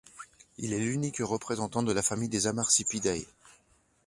Il est l'unique représentant de la famille des Amarsipidae.